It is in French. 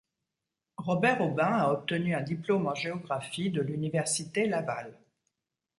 Robert Aubin a obtenu un diplôme en géographie de l’Université Laval.